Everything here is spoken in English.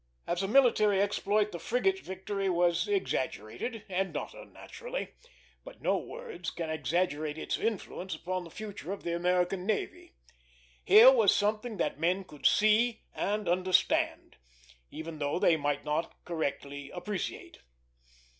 As a military exploit the frigate victory was exaggerated, and not unnaturally; but no words can exaggerate its influence upon the future of the American navy. Here was something that men could see and understand, even though they might not correctly appreciate.